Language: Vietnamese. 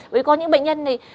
vì có những bệnh nhân này